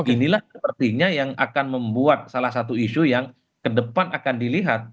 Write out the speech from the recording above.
inilah sepertinya yang akan membuat salah satu isu yang kedepan akan dilihat